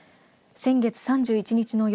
先月３１日の夜。